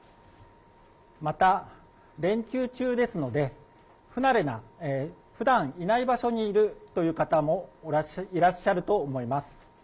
また連休中ですので不慣れな、ふだんいない場所にいるという方もいらっしゃると思います。